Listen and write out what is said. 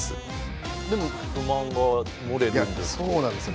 でも不満が漏れるんですか？